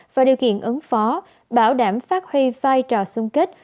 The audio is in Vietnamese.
và điều kiện ứng phó bảo đảm phát huy vai trò sung kích